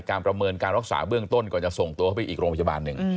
ประเมินการรักษาเบื้องต้นก่อนจะส่งตัวเข้าไปอีกโรงพยาบาลหนึ่ง